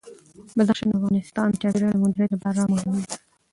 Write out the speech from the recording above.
بدخشان د افغانستان د چاپیریال د مدیریت لپاره مهم دي.